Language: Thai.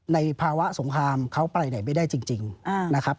ในภาวะสงครามเขาไปไหนไม่ได้จริงนะครับ